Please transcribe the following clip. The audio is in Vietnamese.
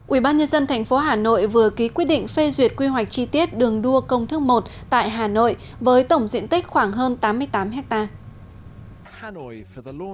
ubnd tp hà nội vừa ký quyết định phê duyệt quy hoạch chi tiết đường đua công thức một tại hà nội với tổng diện tích khoảng hơn tám mươi tám hectare